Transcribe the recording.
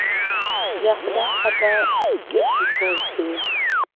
یاخودا ههر وا گهردوتۆز بێ